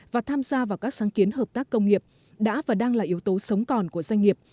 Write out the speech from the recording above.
và tham gia vào các sáng kiến hợp tác công nghiệp đã và đang là yếu tố sống còn của doanh nghiệp